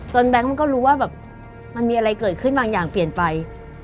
แบงค์มันก็รู้ว่าแบบมันมีอะไรเกิดขึ้นบางอย่างเปลี่ยนไป